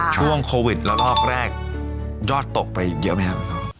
ช่วงโควิดละลอกแรกยอดตกไปเยอะไหมครับ